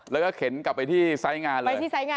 แล้วก็เข็นกลับไปที่ไซส์งานเลย